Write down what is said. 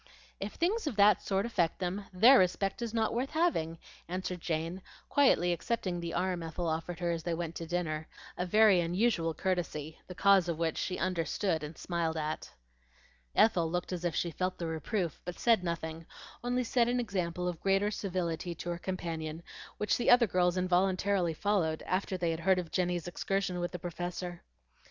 "If things of that sort affect them, their respect is not worth having," answered Jane, quietly accepting the arm Ethel offered her as they went to dinner, a very unusual courtesy, the cause of which she understood and smiled at. Ethel looked as if she felt the reproof, but said nothing, only set an example of greater civility to her companion, which the other girls involuntarily followed, after they had heard of Jenny's excursion with the Professor.